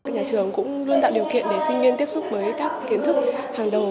nhà trường cũng luôn tạo điều kiện để sinh viên tiếp xúc với các kiến thức hàng đầu